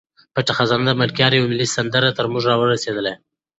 پټه خزانه د ملکیار یوه ملي سندره تر موږ را رسولې ده.